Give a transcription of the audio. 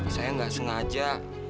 saya gak sengaja